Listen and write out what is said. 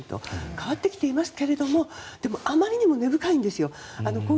変わってきていますがあまりにも根深いんですよ。